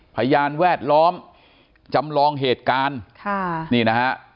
พยานแวดล้อมจำลองเหตุการณ์ค่ะนี่นะฮะ